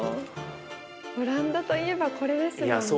オランダといえばこれですもんね。